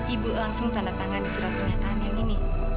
ibu langsung tanda tangan di surat pernyataan yang ini